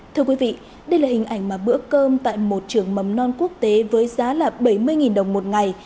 thưa quý vị đây là hình ảnh mà bữa cơm tại một trường mầm non quốc tế với giá là bảy mươi đồng một ngày